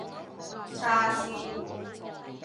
叉燒